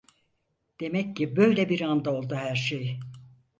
Demek ki böyle bir anda oldu herşey.